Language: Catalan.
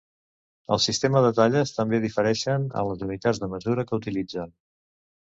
Els sistemes de talles també difereixen en les unitats de mesura que utilitzen.